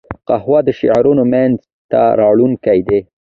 قهوه د شعرونو منځ ته راوړونکې ده